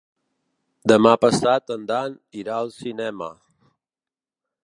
Demà passat en Dan irà al cinema.